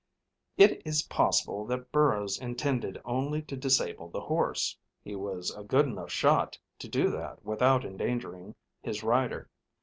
It is possible that Burrows intended only to disable the horse—he was a good enough shot to do that without endangering his rider.